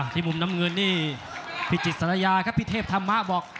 มุมน้ำเงินนี่พิจิตสารยาครับพี่เทพธรรมะบอก